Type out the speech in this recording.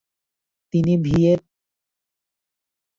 তিনি Vientiane, Xieng Khouang এবং তারপর লুয়াং ফ্রাবাং জয় করেন ।